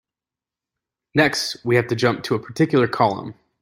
Next, we have to jump to a particular column.